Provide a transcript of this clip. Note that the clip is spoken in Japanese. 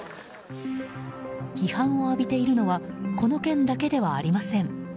批判を浴びているのはこの件だけではありません。